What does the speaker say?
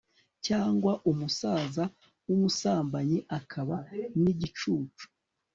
cyangwa umusaza w'umusambanyi akaba n'igicucu